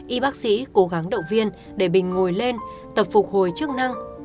y bác sĩ cố gắng động viên để bình ngồi lên tập phục hồi chức năng